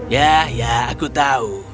ya ya aku tahu